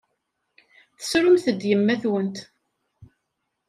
Tessrumt-d yemma-twent.